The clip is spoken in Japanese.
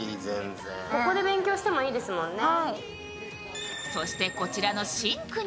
ここで勉強してもいいですもんね。